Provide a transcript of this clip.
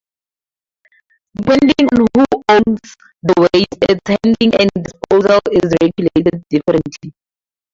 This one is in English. Depending on who "owns" the waste, its handling and disposal is regulated differently.